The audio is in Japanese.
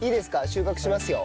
収穫しますよ。